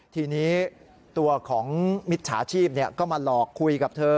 ทีนี้ตัวของมิจฉาชีพก็มาหลอกคุยกับเธอ